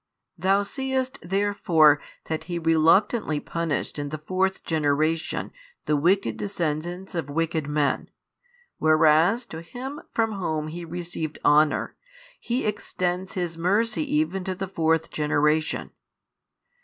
Thou seest therefore that He reluctantly punished in the fourth generation the wicked descendants of wicked men, whereas to him from whom He received honour He extends His mercy even to the fourth generation.